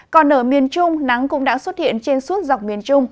còn ở miền trung nắng cũng đã xuất hiện trên suốt dọc miền trung